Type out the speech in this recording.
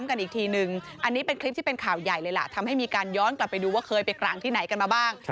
กันอีกทีนึงอันนี้เป็นคลิปที่เป็นข่าวใหญ่เลยล่ะทำให้มีการย้อนกลับไปดูว่าเคยไปกลางที่ไหนกันมาบ้าง